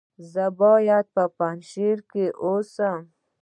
ایا زه باید په پنجشیر کې اوسم؟